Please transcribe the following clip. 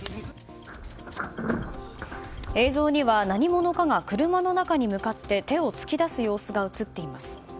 映像には、何者かが車の中に向かって手を突き出す様子が映っています。